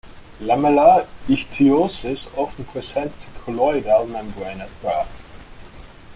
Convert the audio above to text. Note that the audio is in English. Lamellar Ichthyosis often presents with a "colloidal" membrane at birth.